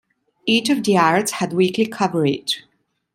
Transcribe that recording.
Each of the arts had weekly coverage.